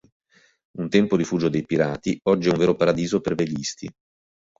Un tempo rifugio dei pirati, oggi è un vero paradiso per velisti.